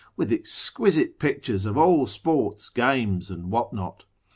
with exquisite pictures of all sports, games, and what not?